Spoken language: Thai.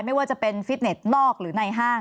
ไม่ว่าจะเป็นฟิตเน็ตนอกหรือในห้าง